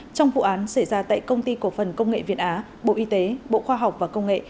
trong vụ án xảy ra tại công ty cổ phần công nghệ việt á bộ y tế bộ khoa học và công nghệ